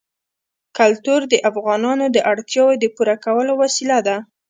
کلتور د افغانانو د اړتیاوو د پوره کولو وسیله ده.